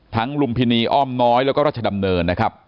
ลุมพินีอ้อมน้อยแล้วก็รัชดำเนินนะครับ